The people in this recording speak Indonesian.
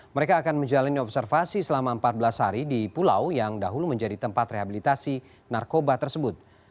mereka akan menjalani observasi selama empat belas hari di pulau yang dahulu menjadi tempat rehabilitasi narkoba tersebut